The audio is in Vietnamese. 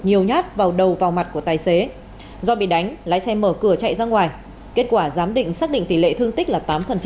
nhiều nhát vào đầu vào mặt của tài xế do bị đánh lái xe mở cửa chạy ra ngoài kết quả giám định xác định tỷ lệ thương tích là tám